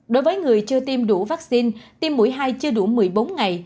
đối với người chưa tiêm đủ vaccine tiêm mũi hai chưa đủ một mươi bốn ngày